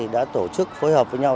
đã tổ chức phối hợp với nhau